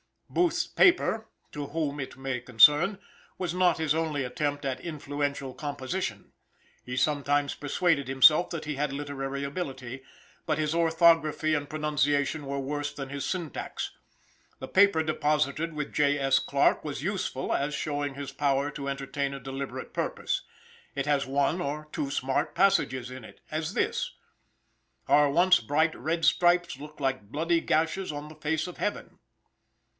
Booth's paper "To Whom it may Concern" was not his only attempt at influential composition. He sometimes persuaded himself that he had literary ability; but his orthography and pronunciation were worse than his syntax. The paper deposited with J. S. Clarke was useful as showing his power to entertain a deliberate purpose. It has one or two smart passages in it as this: "Our once bright red stripes look like bloody gashes on the face of heaven."